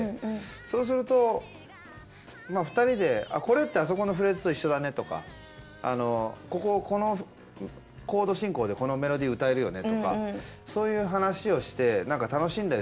そうすると２人で「あこれってあそこのフレーズと一緒だね」とかあの「こここのコード進行でこのメロディー歌えるよね」とか。そういう話をして楽しんだり。